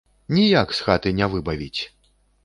Ніяк з хаты не выбавіць!